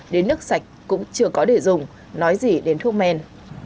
đến nước sạch cũng chưa có để dùng nói gì đến thuốc men